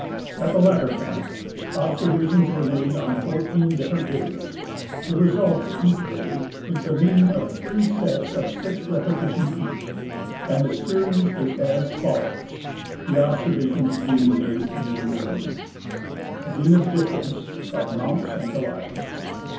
At the latter point observations Avere made on fourteen different days. The result for each day is the mean of three sets of six repetitions each, and the series is as foUoAvs, the observations being made near noon : ZENITH DISTANCE OF MOUNT SAINT ELIAS.